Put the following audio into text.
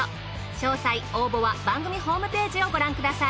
詳細応募は番組ホームページをご覧ください。